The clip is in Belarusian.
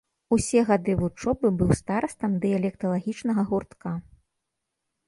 Усе гады вучобы быў старастам дыялекталагічнага гуртка.